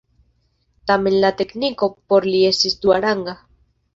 Tamen la tekniko por li estis duaranga.